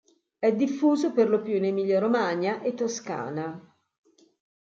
È diffuso perlopiù in Emilia-Romagna e Toscana.